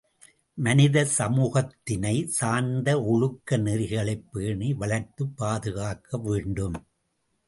மனித சமூகத்தினைச் சார்ந்த ஒழுக்க நெறிகளைப் பேணி வளர்த்துப் பாதுகாக்க வேண்டும்.